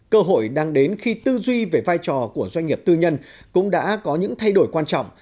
cơ hội đang đến khi tư duy về vai trò của doanh nghiệp tư nhân cũng đã có những thay đổi quan trọng